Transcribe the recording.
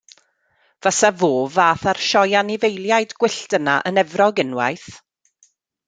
Fasa fo fath â'r sioe anifeiliaid gwyllt yna yn Efrog unwaith.